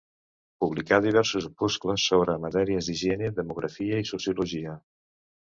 Publicà diversos opuscles sobre matèries d'higiene, demografia i sociologia.